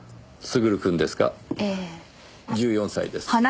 １４歳です。